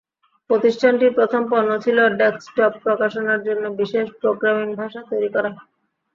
প্রতিষ্ঠানটির প্রথম পণ্য ছিল ডেক্সটপ প্রকাশনার জন্য বিশেষ প্রোগ্রামিং ভাষা তৈরি করা।